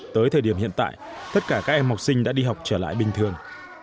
tới thời điểm hiện tại tất cả các em học sinh đã đi học trở lại bình thường